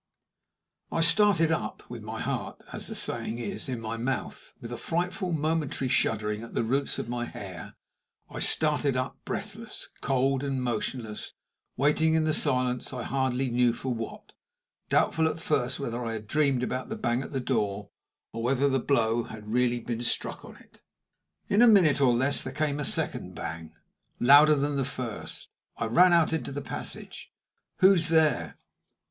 I started up, with my heart (as the saying is) in my mouth, with a frightful momentary shuddering at the roots of my hair I started up breathless, cold and motionless, waiting in the silence I hardly knew for what, doubtful at first whether I had dreamed about the bang at the door, or whether the blow had really been struck on it. In a minute or less there came a second bang, louder than the first. I ran out into the passage. "Who's there?"